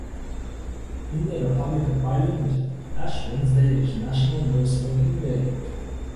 In the Republic of Ireland, Ash Wednesday is National No Smoking Day.